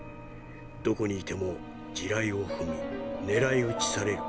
どこにいても地雷を踏み狙い撃ちされる。